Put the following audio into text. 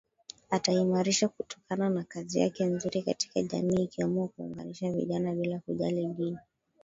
Ataimarisha kutokana na kazi yake nzuri katika jamii ikiwemo kuunganisha vijana bila kujali dini